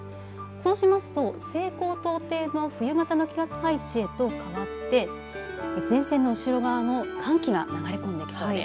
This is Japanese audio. そうしますと西高東低の冬型の気圧配置へと変わって、前線の後ろ側の寒気が流れ込んできそうです。